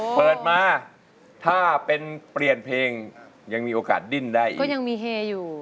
เปิดมาถ้าเป็นเปลี่ยนเพลงยังมีโอกาสดิ้นได้อีกก็ยังมีเฮอยู่